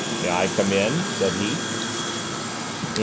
"May I come in?" said he. XXII.